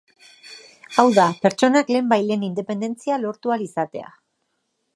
Hau da, pertsonak lehenbailehen independentzia lortu ahal izatea.